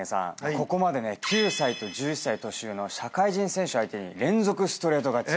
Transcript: ここまでね９歳と１１歳年上の社会人選手相手に連続ストレート勝ち。